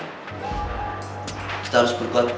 kita harus berkuat